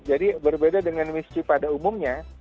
jadi berbeda dengan mischi pada umumnya